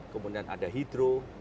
kemudian ada hidro